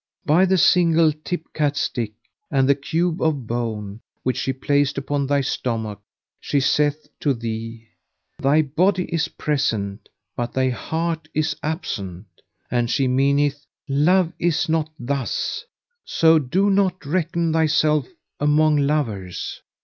By the single tip cat stick and the cube of bone which she placed upon thy stomach she saith to thee 'Thy body is present but thy heart is absent'; and she meaneth, 'Love is not thus: so do not reckon thyself among lovers.'